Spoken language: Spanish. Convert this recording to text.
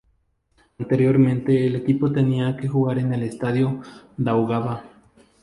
Anteriormente el equipo tenía que jugar en el Estadio Daugava.